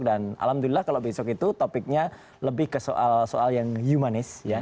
dan alhamdulillah kalau besok itu topiknya lebih ke soal soal yang humanis